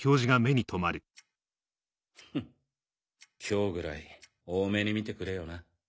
今日ぐらい大目に見てくれよな。